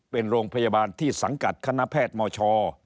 เป็นโรงพยาบาลที่สังกัดคณะแพทย์มช